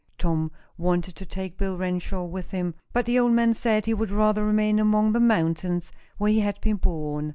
Tom wanted to take Bill Renshaw with him, but the old man said he would rather remain among the mountains where he had been born.